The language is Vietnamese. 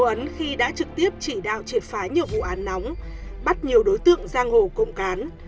ông đã đặt lại nhiều dấu ấn khi đã trực tiếp chỉ đạo triệt phái nhiều vụ án nóng bắt nhiều đối tượng giang hồ công cán